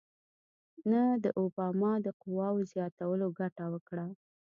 نه د اوباما د قواوو زیاتولو ګټه وکړه.